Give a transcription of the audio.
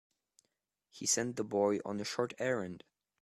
He sent the boy on a short errand.